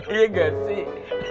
iya gak sih